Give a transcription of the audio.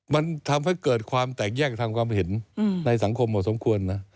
มันทำให้เกิดความแตกแยกทางความเห็นในสังคมพอสมควรนะ